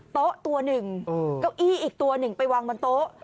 โต๊ะตัวหนึ่งเก้าอี้อีกตัวหนึ่งไปวางบนโต๊ะ